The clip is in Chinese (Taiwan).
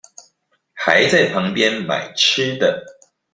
還在旁邊買吃的